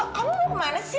kamu mau kemana sih